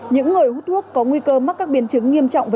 những người hút thuốc có nguy cơ mắc các biến chứng nghiêm trọng